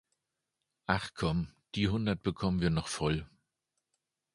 Ach komm, die hundert bekommen wir noch voll.